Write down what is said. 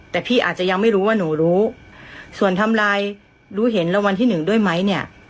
แต่พี่อาจจะยังไม่รู้ว่าหนูรู้ส่วนทำลายรู้เห็นรางวัลที่หนึ่งด้วยไหมเนี่ย